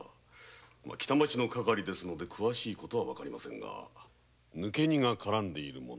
北町の係ですので詳しい事は分かりませぬが抜け荷が絡んでいると思われます。